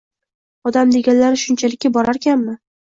Odam deganlari shunchalikka borarkanmi